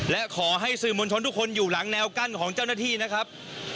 และขอให้สื่อมวลชนทุกคนอยู่หลังแนวกั้นของเจ้าหน้าที่นะครับ